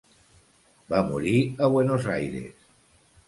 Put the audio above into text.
Va morir a Buenos Aires.